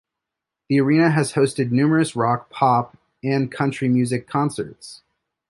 The arena has hosted numerous rock, pop, and country music concerts.